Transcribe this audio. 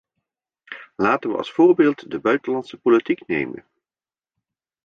Laten we als voorbeeld de buitenlandse politiek nemen.